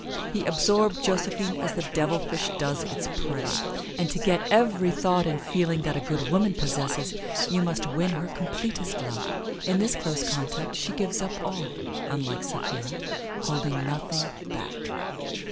He absorbed Josephine as the devilfish does its prey. And to get every thought and feeling that a good woman possesses you must win her completest love. In this close contact she gives up all unlike Sapphira holding nothing back.